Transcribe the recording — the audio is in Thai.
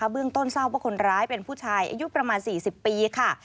เบื้องต้นทราบว่าคนร้ายเป็นผู้ชายอายุประมาณ๔๐ปีค่ะ